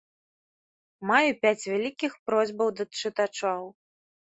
Маю пяць вялікіх просьбаў да чытачоў.